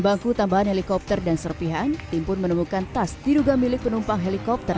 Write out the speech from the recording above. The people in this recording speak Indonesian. bangku tambahan helikopter dan serpihan tim pun menemukan tas diduga milik penumpang helikopter